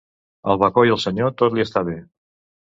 Al bacó i al senyor tot li està bé.